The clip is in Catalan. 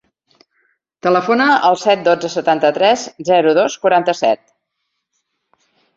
Telefona al set, dotze, setanta-tres, zero, dos, quaranta-set.